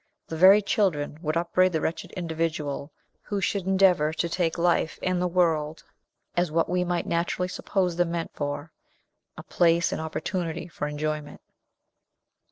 The very children would upbraid the wretched individual who should endeavor to take life and the world as w what we might naturally suppose them meant for a place and opportunity for enjoyment.